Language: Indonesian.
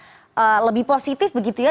yang lebih positif begitu ya